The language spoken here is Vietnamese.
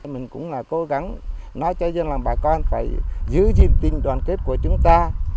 mình cũng là cố gắng nói cho dân làng bà con phải giữ gìn tình đoàn kết của chúng ta